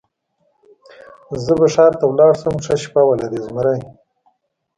زه به ښار ته ولاړ شم، ښه شپه ولرئ زمري.